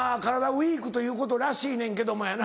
ＷＥＥＫということらしいねんけどもやな。